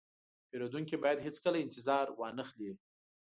پیرودونکی باید هیڅکله انتظار وانهخلي.